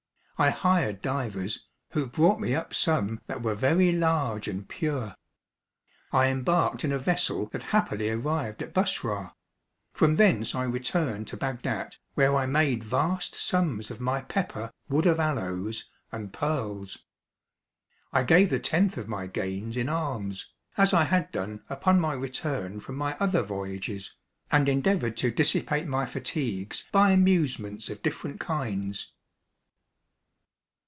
I hired divers, who brought me up some that were very large and pure. I embarked in a vessel that happily arrived at Bussorah; from thence I returned to Bagdat, where I made vast sums of my pepper, wood of aloes, and pearls. I gave the tenth of my gains in alms, as I had done upon my return from my other voyages, and endeavoured to dissipate my fatigues by amusements of different kinds.